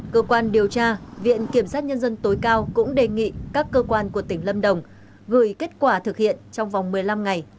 cơ quan điều tra viện kiểm sát nhân dân tối cao cũng đề nghị các cơ quan của tỉnh lâm đồng gửi kết quả thực hiện trong vòng một mươi năm ngày